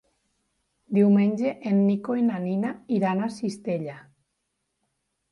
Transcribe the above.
Diumenge en Nico i na Nina iran a Cistella.